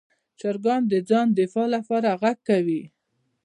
چرګان د ځان دفاع لپاره غږ کوي.